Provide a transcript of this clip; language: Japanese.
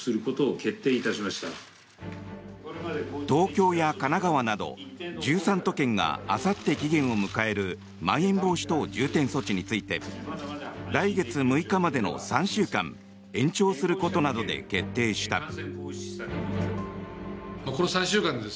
東京や神奈川など１３都県があさって期限を迎えるまん延防止等重点措置について来月６日までの３週間延長することなどで決定した。